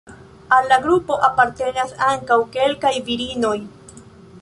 Al la grupo apartenas ankaŭ kelkaj virinoj.